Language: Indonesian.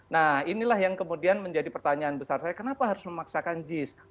nah inilah yang kemudian menjadi pertanyaan besar saya kenapa harus memaksakan jis